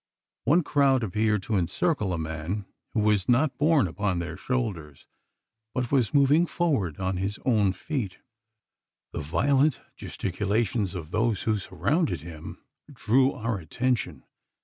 One crowd appeared to encircle a man who was not borne upon their shoulders, but was moving forward on his own feet. The violent gesticulations of those who surrounded him drew our attention.